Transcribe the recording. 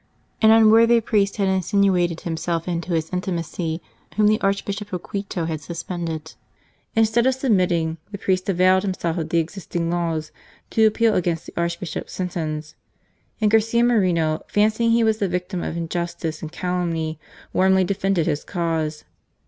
An unworthy priest had insinuated himself into his intimacy whom the Archbishop of Quito had suspended. Instead of submitting, the priest availed himself of the existing laws to appeal against the Archbishop's sentence, and Garcia Moreno, fancying he was the victim of injustice and calumny, warmly defended his cause.